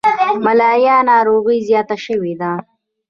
ملاریا ناروغي زیاته شوي ده.